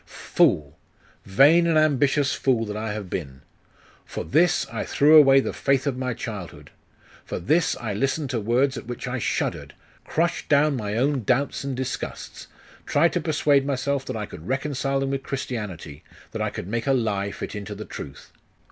'Fool! Vain and ambitious fool that I have been! For this I threw away the faith of my childhood! For this I listened to words at which I shuddered; crushed down my own doubts and disgusts; tried to persuade myself that I could reconcile them with Christianity that I could make a lie fit into the truth!